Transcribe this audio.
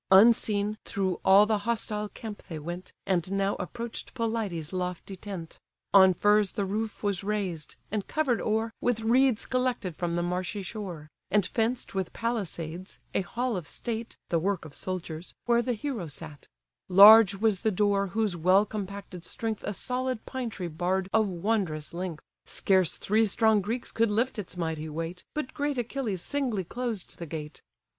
Unseen, through all the hostile camp they went, And now approach'd Pelides' lofty tent. On firs the roof was raised, and cover'd o'er With reeds collected from the marshy shore; And, fenced with palisades, a hall of state, (The work of soldiers,) where the hero sat: Large was the door, whose well compacted strength A solid pine tree barr'd of wondrous length: Scarce three strong Greeks could lift its mighty weight, But great Achilles singly closed the gate.